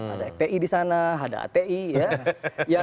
ada fpi di sana ada ati ya